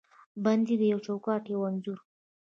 بندې یو چوکاټ، یوه انځور